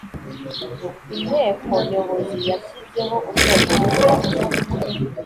Inteko Nyobozi yashyizeho urwego rushya